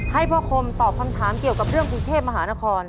ให้พ่อคมตอบคำถามเกี่ยวกับเรื่องกรุงเทพมหานคร